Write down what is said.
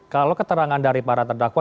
kalau keterangan dari para terdakwa